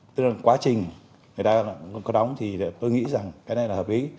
tức là quá trình người ta có đóng thì tôi nghĩ rằng cái này là hợp lý